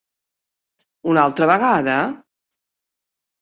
Una altra vegada!